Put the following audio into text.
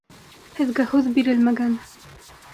Һеҙгә һүҙ бирелмәгән!